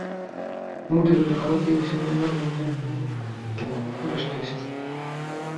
মোদি শুধু ভারতীয় হিসেবে নন, একজন হিন্দু ভারতীয় হিসেবে যুক্তরাষ্ট্রে এসেছিলেন।